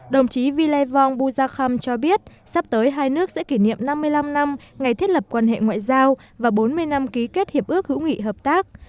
đồng chí vy lê phong bu la kham cho biết sắp tới hai nước sẽ kỷ niệm năm mươi năm năm ngày thiết lập quan hệ ngoại giao và bốn mươi năm ký kết hiệp ước hữu nghị hợp tác